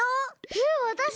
えっわたし？